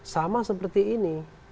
sama seperti ini